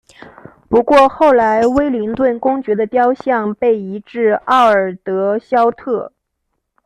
不过后来威灵顿公爵的雕像被移至奥尔德肖特。